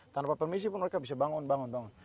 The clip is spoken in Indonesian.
tanpa permisi pun mereka bisa bangun bangun bangun